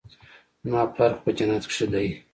زما پلار خو په جنت کښې دى.